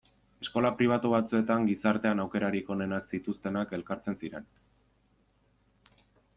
Eskola pribatu batzuetan gizartean aukerarik onenak zituztenak elkartzen ziren.